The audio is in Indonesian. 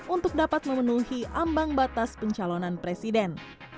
untuk dapat memenuhi ambang batas pencalonan presiden